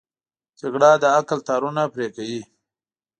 جګړه د عقل تارونه پرې کوي